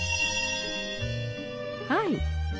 はい。